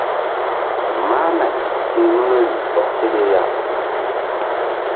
Máh nay ti̧h nun rih bɔk seɗe.